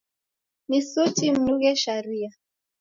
Ni suti mnughe sharia